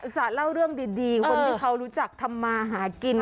สะเล่าเรื่องดีคนที่เขารู้จักทำมาหากิน